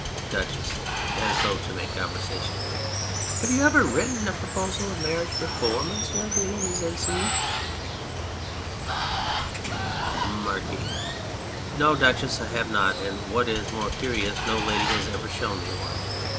DUCHESS (as though to make conversation}. Have you ever written a proposal of marriage before, Monsieur de la Mise en Scene ? MARQUIS. No, Duchess, I have not ; and, what is more curious, no lady has ever shown me one.